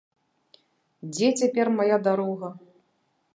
Дзе цяпер мая дарога!